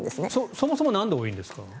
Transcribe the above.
そもそもなんで多いんですか？